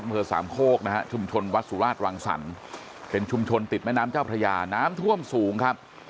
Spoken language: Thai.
อำเภอสามโคกนะฮะชุมชนวัดสุราชวังสรรค์เป็นชุมชนติดแม่น้ำเจ้าพระยาน้ำท่วมสูงครับ